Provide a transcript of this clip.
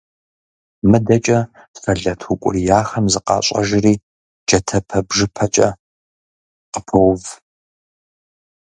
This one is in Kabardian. МыдэкӀэ сэлэт укӀурияхэм зыкъащӀэжри джатэпэ-бжыпэкӀэ къыпоув.